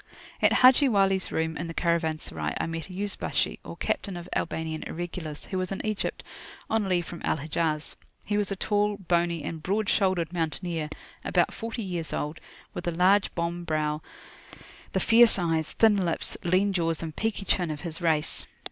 [p.132]At Haji Wali's room in the Caravanserai, I met a Yuzbashi, or captain of Albanian Irregulars, who was in Egypt on leave from Al Hijaz. He was a tall, bony, and broad shouldered mountaineer, about forty years old, with the large bombe brow, the fierce eyes, thin lips, lean jaws, and peaky chin of his race.